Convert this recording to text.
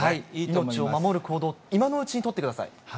命を守る行動、今のうちに取ってください。